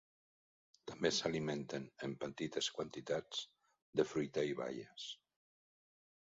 També s'alimenten, en petites quantitats, de fruita i baies.